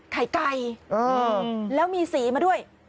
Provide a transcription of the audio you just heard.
ไข่ไก่แล้วมีสีมาด้วย